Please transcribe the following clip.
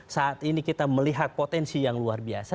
saat ini kita melihat potensi yang luar biasa